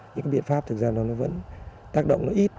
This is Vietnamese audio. những viện pháp thực ra nó vẫn tác động nó ít